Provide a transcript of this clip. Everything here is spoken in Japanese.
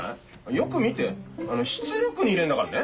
よく見て出力に入れるんだからね。